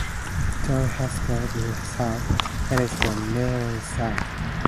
Twenty hectares in size, it is the middle in size.